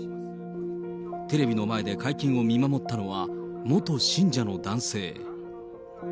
テレビの前で会見を見守ったのは、元信者の男性。